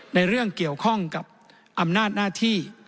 ในเรื่องเกี่ยวข้องกับอำนาจหน้าที่